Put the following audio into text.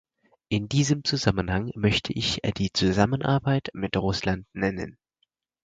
In diesem Zusammenhang möchte ich die Zusammenarbeit mit Russland nennen.